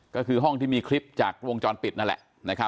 ก็คือห้องที่มีคลิปจากวงจรปิดนั่นแหละ